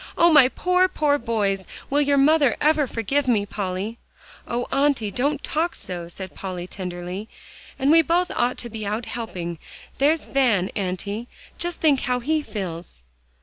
"Oh! my poor, poor boys. Will your mother ever forgive me, Polly?" "Oh, Auntie! don't talk so," said Polly tenderly; "and we both ought to be out helping. There's Van, Auntie; just think how he feels."